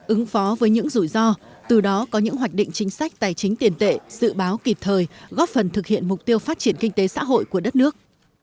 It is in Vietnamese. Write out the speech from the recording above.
ứng phó với những rủi ro từ đó có những hoạch định chính sách tài chính tiền tệ dự báo kịp thời góp phần thực hiện mục tiêu phát triển kinh tế xã hội của đất nước